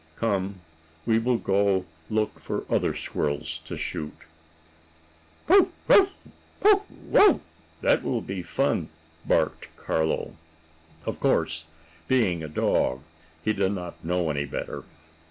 Come, we will go look for other squirrels to shoot." "Bow wow! Bow wow! That will be fun!" barked Carlo. Of course being a dog, he did not know any better.